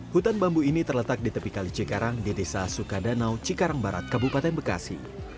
hutan bambu ini terletak di tepi kali cikarang di desa sukadanau cikarang barat kabupaten bekasi